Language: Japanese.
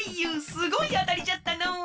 すごいあたりじゃったのう！